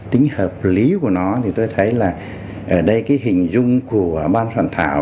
tính hợp lý của nó thì tôi thấy là ở đây cái hình dung của ban soạn thảo